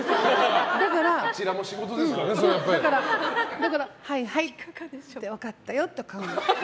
だから、はいはい分かったよって。